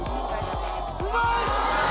うまい！